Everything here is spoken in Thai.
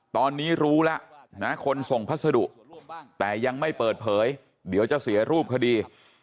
ตอนนี้รู้แล้วนะคนส่งพัสดุแต่ยังไม่เปิดเผยเดี๋ยวจะเสียรูปคดี